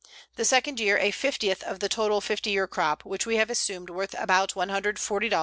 The second year a fiftieth of the total fifty year crop, which we have assumed worth about $140, or $2.